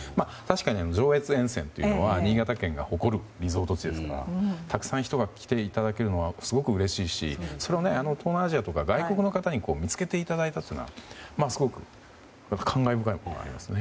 上越温泉は、新潟県が誇るリゾート地ですからたくさんの人に来ていただけるのはすごくうれしいし東南アジアとか外国の方に見つけていただいたのはすごく感慨深いものがありますね。